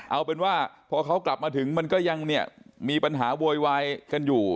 เอาเป็นว่าพอเขากลับมาถึงมันก็ยังเนี่ยมีปัญหาโวยวายกันอยู่